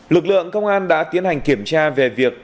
lực lượng công an đã tiến hành kiểm tra về việc